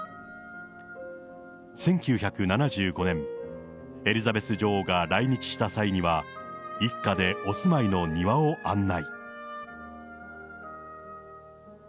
１９７５年、エリザベス女王が来日した際には、一家でお住まいの庭を案内。